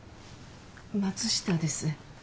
松下です。